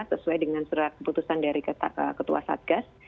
sesuai dengan surat keputusan dari ketua satgas